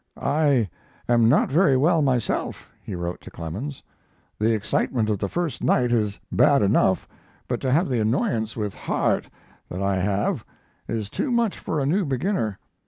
"I am not very well myself," he wrote to Clemens. "The excitement of the first night is bad enough, but to have the annoyance with Harte that I have is too much for a new beginner."